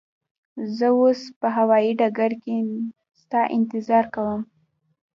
زه اوس به هوایی ډګر کی ستا انتظار کوم.